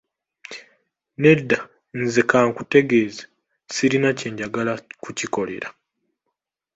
Nedda, nze ka nkutegeeze sirina kye njagala kukikolera.